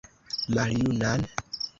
Maljunan?